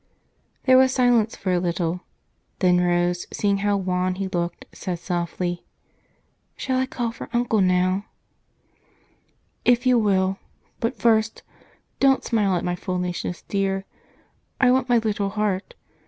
There was silence for a little; then Rose, seeing how wan he looked, said softly, "Shall I call Uncle now?" "If you will. But first don't smile at my foolishness, dear I want my little heart.